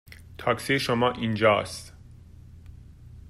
تاکسی شما اینجا است.